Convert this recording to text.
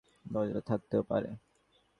অন্তত সদর রাস্তা নেই, খিড়কির দরজা থাকতেও পারে।